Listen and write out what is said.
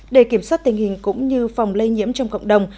để kiểm soát tình hình cũng như phòng lây nhiễm trong cộng đồng